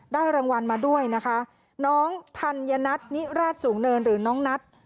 รางวัลมาด้วยนะคะน้องธัญนัทนิราชสูงเนินหรือน้องนัท